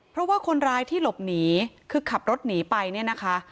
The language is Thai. เพราะว่าคนร้ายที่หลบหนีคือขับรถหนีไปเนี่ยนะคะ